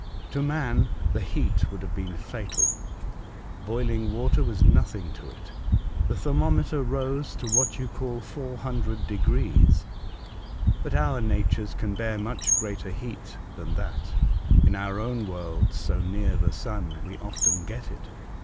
To man, the heat would have been fatal. Boiling water was nothing to it. The thermometer rose to what you call 400 degrees. But our natures can bear much greater heat than that. In our own world, so near the sun, we often get it.